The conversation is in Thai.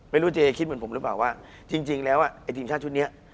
ไม่รู้เจ๊คิดเหมือนผมหรือเปล่าว่าจริงแล้วไอ้ทีมชาติชุดนี้